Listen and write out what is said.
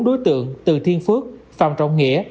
bốn đối tượng từ thiên phước phạm trọng nghĩa